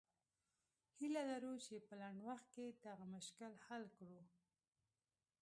هیله لرو چې په لنډ وخت کې دغه مشکل حل کړو.